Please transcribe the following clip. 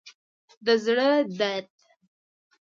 د زړه درد